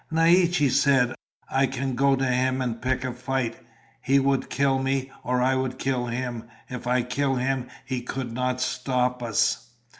Naiche said, "I can go to him and pick a fight. He would kill me, or I would kill him. If I killed him, he could not stop us."